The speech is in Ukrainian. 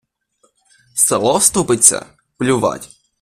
Село вступиться? Плювать.